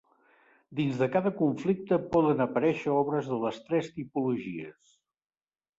Dins de cada conflicte poden aparèixer obres de les tres tipologies.